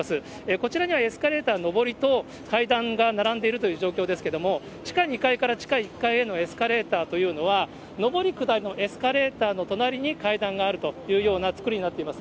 こちらにはエスカレーター上りと、階段が並んでいるという状況ですけれども、地下２階から地下１階へのエスカレーターというのは、上り下りのエスカレーターの隣に階段があるというような造りになっています。